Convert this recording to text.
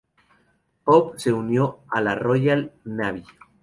Hope se unió a la Royal Navy.